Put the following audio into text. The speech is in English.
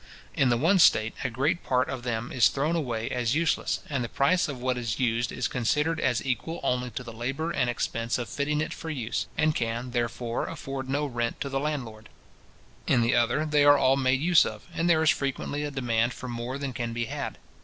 In the one state, a great part of them is thrown away as useless and the price of what is used is considered as equal only to the labour and expense of fitting it for use, and can, therefore, afford no rent to the landlord. In the other, they are all made use of, and there is frequently a demand for more than can be had.